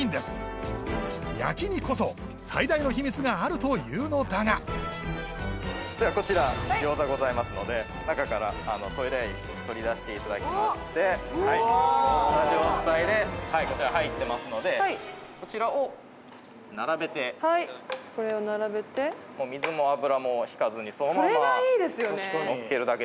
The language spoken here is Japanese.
焼きにこそ最大の秘密があるというのだがこちらギョーザございますので中からトレー取り出していただきましてはいその状態でこちら入ってますのでこちらを並べてはいこれを並べてそれがいいですよね